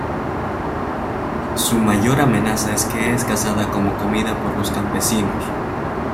Su mayor amenaza es que es cazada como comida por los campesinos.